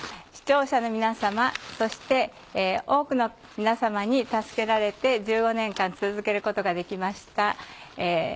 視聴者の皆様そして多くの皆様に助けられて１５年間続けることができました。